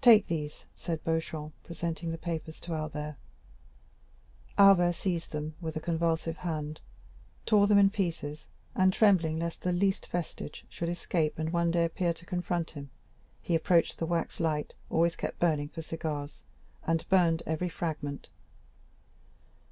"Take these," said Beauchamp, presenting the papers to Albert. Albert seized them with a convulsive hand, tore them in pieces, and trembling lest the least vestige should escape and one day appear to confront him, he approached the wax light, always kept burning for cigars, and burned every fragment.